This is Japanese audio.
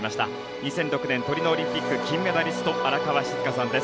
２００６年トリノオリンピック金メダリスト荒川静香さんです。